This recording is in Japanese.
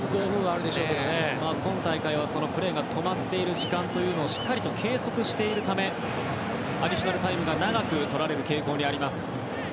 今大会はプレーが止まっている時間をしっかりと計測しているためアディショナルタイムが長くとられる傾向にあります。